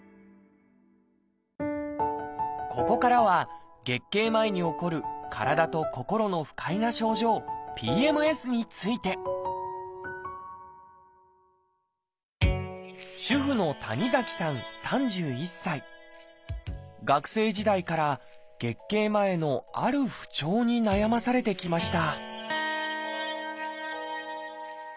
ここからは月経前に起こる体と心の不快な症状「ＰＭＳ」について主婦の学生時代から月経前のある不調に悩まされてきました